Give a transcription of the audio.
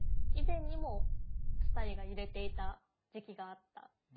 以前にもスタイが揺れていた時期があった。